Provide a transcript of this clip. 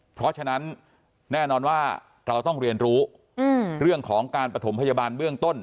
เพราะฉะนั้นแน่นอนว่าเราต้องเรียนรู้เรื่องของการปฐมพยาบาลเบื้องต้น